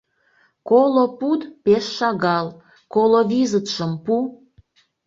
Коло пуд пеш шагал, коло визытшым пу...